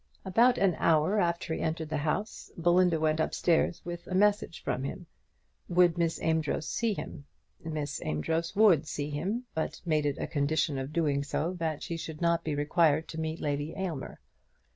About an hour after he entered the house, Belinda went up stairs with a message from him; would Miss Amedroz see him? Miss Amedroz would see him, but made it a condition of doing so that she should not be required to meet Lady Aylmer.